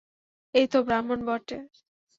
এই তো ব্রাহ্মণ বটে!